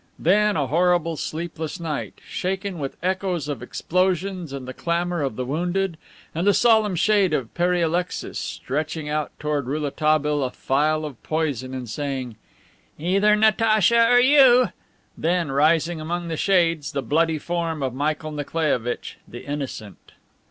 Then a horrible, sleepless night, shaken with echoes of explosions and the clamor of the wounded; and the solemn shade of Pere Alexis, stretching out toward Rouletabille a phial of poison and saying, "Either Natacha or you!" Then, rising among the shades the bloody form of Michael Nikolaievitch the Innocent!